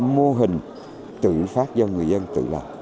mô hình tự phát do người dân tự làm